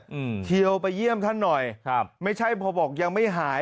ทีเดียวไปเยี่ยมท่านหน่อยครับไม่ใช่พอบอกยังไม่หาย